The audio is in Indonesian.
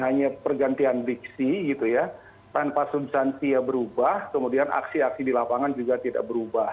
hanya pergantian diksi gitu ya tanpa substansi ya berubah kemudian aksi aksi di lapangan juga tidak berubah